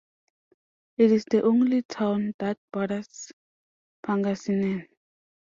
It is the only town that borders Pangasinan.